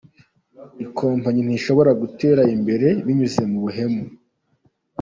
Ikompamyi ntishobora gutera imbere binyuze mu buhemu.